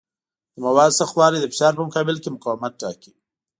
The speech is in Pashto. د موادو سختوالی د فشار په مقابل کې مقاومت ټاکي.